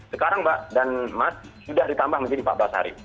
sekarang mbak dan mas sudah ditambah menjadi empat belas hari